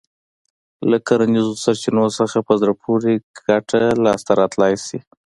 له کرنیزو سرچينو څخه په زړه پورې ګټه لاسته راتلای شي.